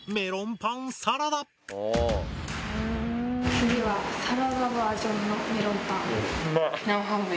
・次はサラダバージョンのメロンパン。